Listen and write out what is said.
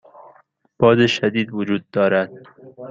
باد شدید وجود دارد.